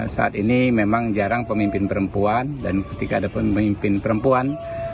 saat ini memang jarang pemimpin perempuan dan ketika ada pemimpin perempuan